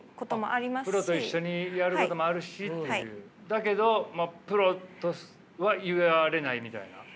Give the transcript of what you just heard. だけどプロとは言われないみたいな。